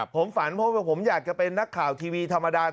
ผมฝันเพราะว่าผมอยากจะเป็นนักข่าวทีวีธรรมดา